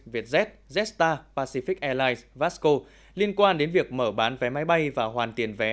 vietjet jetstar pacific airlines vasco liên quan đến việc mở bán vé máy bay và hoàn tiền vé